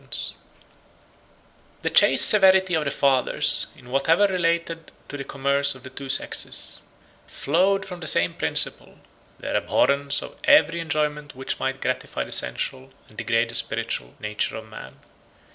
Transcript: ] The chaste severity of the fathers, in whatever related to the commerce of the two sexes, flowed from the same principle; their abhorrence of every enjoyment which might gratify the sensual, and degrade the spiritual nature of man.